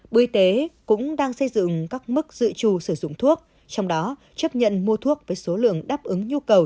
bộ y tế cũng đang xây dựng các mức dự trù sử dụng thuốc trong đó chấp nhận mua thuốc với số lượng đáp ứng nhu cầu